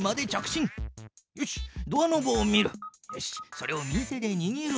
それを右手でにぎる。